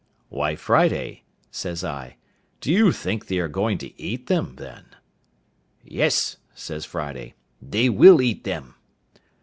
"Why, Friday," says I, "do you think they are going to eat them, then?" "Yes," says Friday, "they will eat them."